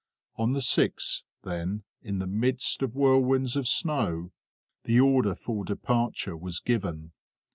On the 6th, then, in the midst of whirlwinds of snow, the order for departure was given.